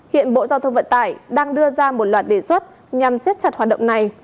hiện bộ giao thông vận tải đang đưa ra một loạt đề xuất nhằm siết chặt hoạt động này